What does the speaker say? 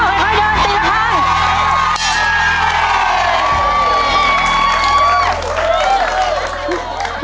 พ่อค่อยค่อยเดินสินะครับ